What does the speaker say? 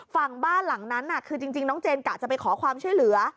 ฝั่งบ้านหลังนั้นคือจริงน้องเจนกะจะไปขอความช่วยเหลือ